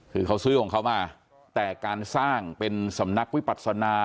คือเขาซื้อของเขามาแต่การสร้างเป็นสำนักวิปัศนา